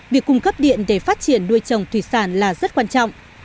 việc cung cấp điện để phát triển nuôi trồng thủy sản là rất quan trọng